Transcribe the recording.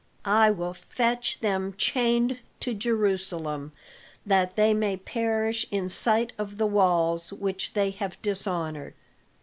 "I will fetch them chained to Jerusalem, that they may perish in sight of the walls which they have dishonored."